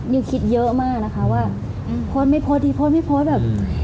คิดเยอะมากนะคะว่าโพสต์ไม่โพสต์ดีโพสต์ไม่โพสต์แบบ